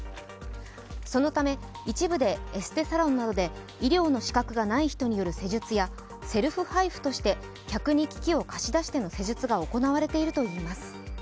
そのため一部で、エステサロンなどで医療の資格がない人による施術や、セルフＨＩＦＵとして客に機器を貸し出しての施術が行われているといいます。